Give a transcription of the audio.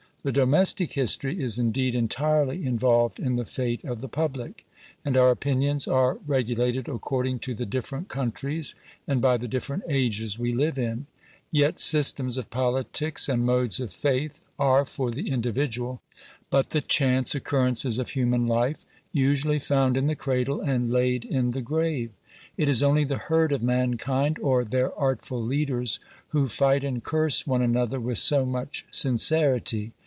The domestic history is, indeed, entirely involved in the fate of the public; and our opinions are regulated according to the different countries, and by the different ages we live in; yet systems of politics, and modes of faith, are, for the individual, but the chance occurrences of human life, usually found in the cradle and laid in the grave: it is only the herd of mankind, or their artful leaders, who fight and curse one another with so much sincerity.